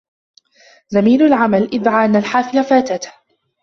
زميل العمل ادعى أن الحافلة فاتته.